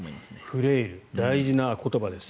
フレイル大事な言葉です。